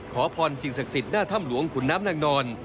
ขอพรสิ่งศักดิ์สิทธิ์หน้าถ้ำหลวงขุนน้ำนางนอน